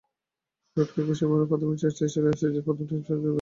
রুটকে ঘুষি মারার প্রাথমিক শাস্তি ছিল অ্যাশজের প্রথম টেস্ট পর্যন্ত বহিষ্কার।